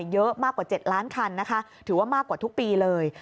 เยอะมากกว่า๗ล้านคันนะคะถือว่ามากกว่าทุกปีเลย